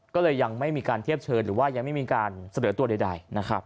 ก็เลยยังไม่มีการเทียบเชิญหรือว่ายังไม่มีการเสนอตัวใดนะครับ